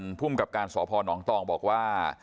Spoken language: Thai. ทรุงกรรมบริการสหพนอห์นอมตองบอกว่า